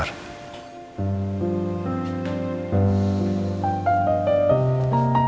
berapa lama tadi